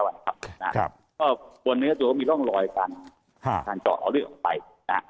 นะครับครับก็บนเนื้อตัวมีร่องลอยกันฮะทางเจาะเอาเลือดออกไปนะ